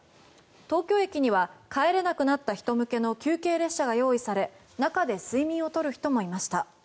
東京駅には帰れなくなった人向けの休憩列車が用意され中で睡眠を取る人もいました。